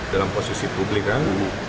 dalam posisi publik kan